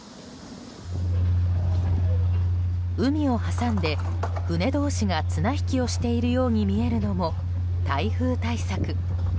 海を挟んで、船同士が綱引きをしているように見えるのも台風対策。